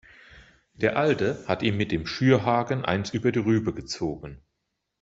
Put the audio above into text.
Der Alte hat ihm mit dem Schürhaken eins über die Rübe gezogen.